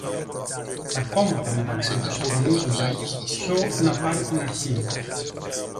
Τα κόμματα μεταξύ τους αγωνίζουνταν ποιο να πάρει την αρχή